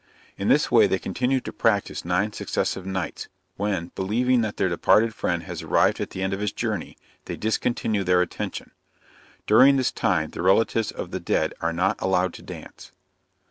In this way they continue to practise nine successive nights, when, believing that their departed friend has arrived at the end of his journey, they discontinue their attention. During this time the relatives of the dead are not allowed to dance.